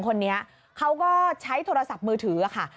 คนนี้เขาก็ใช้โทรศัพท์มือถือค่ะ